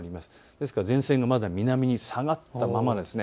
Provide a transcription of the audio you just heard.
ですから前線がまだ南に下がったままです。